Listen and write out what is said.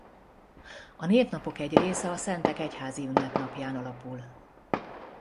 A névnapok egy része a szentek egyházi ünnepnapján alapul.